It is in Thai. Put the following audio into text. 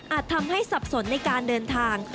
ทำให้สับสนในการเดินทาง